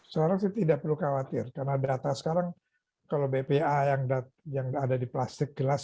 seorang sih tidak perlu khawatir karena data sekarang kalau bpa yang ada di plastik jelas